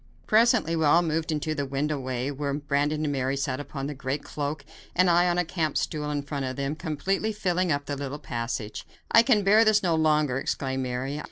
Presently we all moved into the window way, where Brandon and Mary sat upon the great cloak and I on a camp stool in front of them, completely filling up the little passage. "I can bear this no longer," exclaimed Mary.